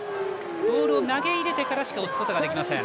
ボールを投げ入れてからしか押すことができません。